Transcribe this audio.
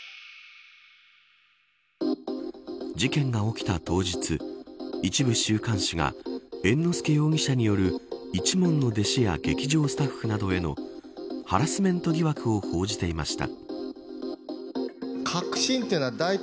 事件が起きた当日一部週刊誌が猿之助容疑者による一門の弟子や劇場スタッフなどへのハラスメント疑惑を報じていました。